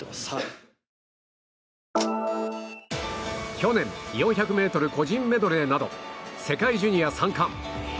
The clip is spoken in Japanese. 去年４００ｍ個人メドレーなど世界ジュニア３冠。